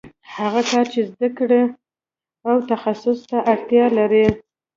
هغه کار چې زده کړې او تخصص ته اړتیا لري